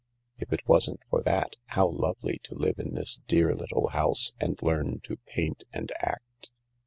If it wasn't for that, how lovely to live in this dear little house and learn how to paint and act